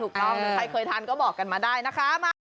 ใครเคยทานก็บอกกันมาได้นะ